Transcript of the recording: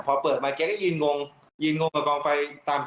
ประมาณนี้ค่ะ